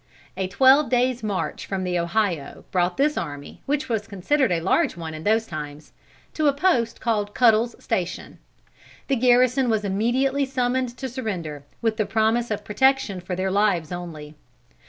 A twelve days' march from the Ohio brought this army, which was considered a large one in those times, to a post called Kuddle's Station. The garrison was immediately summoned to surrender, with the promise of protection for their lives only.